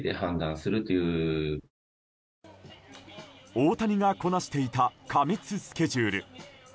大谷がこなしていた過密スケジュール。